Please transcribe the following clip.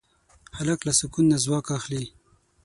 هلک له سکون نه ځواک اخلي.